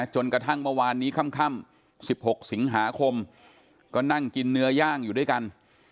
จนกระทั่งเมื่อวานนี้ค่ำ๑๖สิงหาคมก็นั่งกินเนื้อย่างอยู่ด้วยกัน